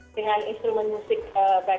dengan instrument musik backpipe yang unik